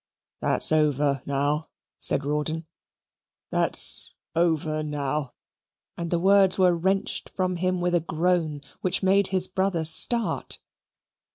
"That's over now," said Rawdon. "That's over now." And the words were wrenched from him with a groan, which made his brother start.